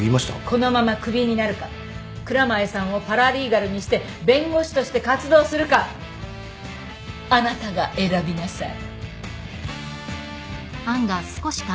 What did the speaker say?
このまま首になるか蔵前さんをパラリーガルにして弁護士として活動するかあなたが選びなさい。